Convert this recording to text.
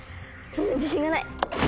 自信がない！